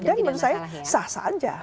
dan menurut saya sah saja